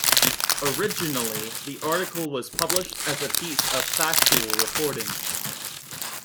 Originally, the article was published as a piece of factual reporting.